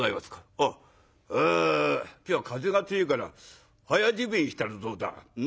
「ああ今日は風が強いから早じめえしたらどうだ。